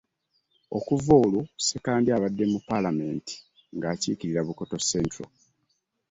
Okuva olwo Sekandi abadde mu Palamenti ng’akiikirira Bukoto Central.